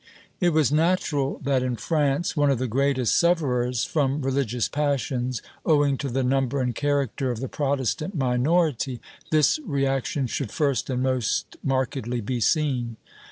It was natural that in France, one of the greatest sufferers from religious passions, owing to the number and character of the Protestant minority, this reaction should first and most markedly be seen.